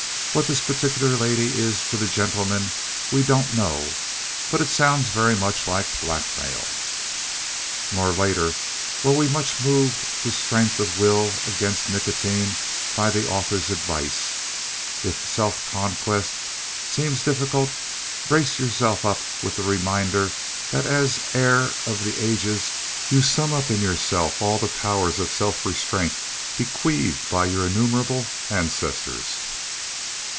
What this particular "lady" is to the "gentleman" we don't know, but it sounds very much like blackmail. Nor later were we much moved to strength of will against nicotine by the author's advice, "If self conquest seems difficult, brace yourself up with the reminder that as heir of the ages you sum up in yourself all the powers of self restraint bequeathed by your innumerable ancestors."